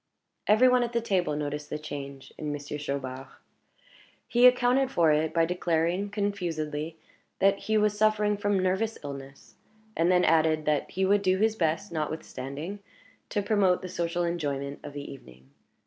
Every one at the table noticed the change in Monsieur Chaubard. He accounted for it by declaring, confusedly, that he was suffering from nervous illness; and then added that he would do his best, notwithstanding, to promote the social enjoyment of the evening.